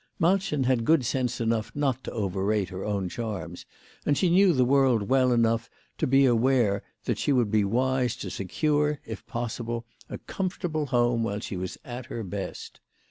Malchen had good sense enough not to overrate her own charms, and she knew the world well enough to be aware that she would be wise to secure, if possible, a comfortable home while she was at her best.